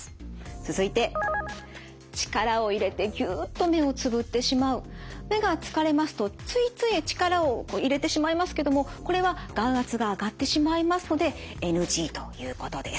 続いて力を入れて目が疲れますとついつい力を入れてしまいますけどもこれは眼圧が上がってしまいますのでＮＧということです。